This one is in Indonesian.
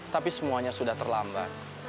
tapi semuanya sudah terlambat